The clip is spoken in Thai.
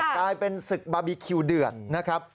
กลายเป็นศึกบาร์บีคิวเดือดนะครับ